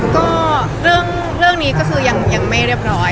ก็เรื่องนี้ก็คือยังไม่เรียบร้อย